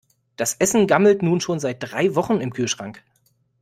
Das Essen gammelt nun schon seit drei Wochen im Kühlschrank.